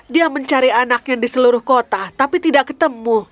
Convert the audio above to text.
dia mencari anaknya di seluruh kota tapi tidak ketemu